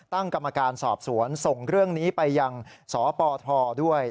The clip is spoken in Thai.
ตั้งกรรมการสอบสวนส่งเรื่องนี้ไปยังสปทด้วย